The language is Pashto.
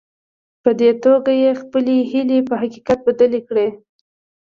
په دې توګه يې خپلې هيلې په حقيقت بدلې کړې.